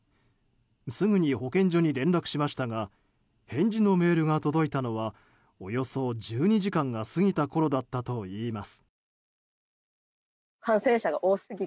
すぐに保健所に連絡しましたが返事のメールが届いたのはおよそ１２時間が過ぎたころだったといいます。